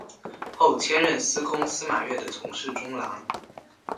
后迁任司空司马越的从事中郎。